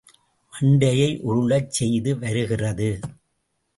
மண்டையை உருளச் செய்து வருகிறது!